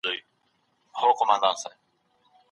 چارواکي به مهم بحثونه پرمخ وړي.